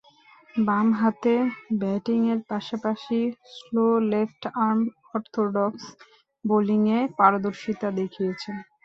বামহাতে ব্যাটিংয়ের পাশাপাশি স্লো লেফট-আর্ম অর্থোডক্স বোলিংয়ে পারদর্শীতা দেখিয়েছেন।